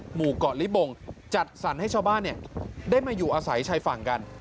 หมู่เกาะลิบงจัดสรรให้ชาวบ้านได้มาอยู่อาศัยชายฝั่งกัน